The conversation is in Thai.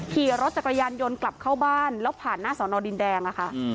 ขี่รถจักรยานยนต์กลับเข้าบ้านแล้วผ่านหน้าสอนอดินแดงอะค่ะ